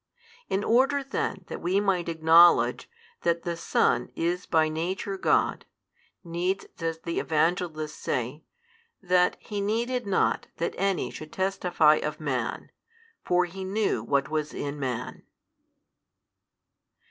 In order then that we might acknowledge that the Son is by Nature God, needs does the Evangelist say that He needed not that any should testify of man, for He knew what was in man.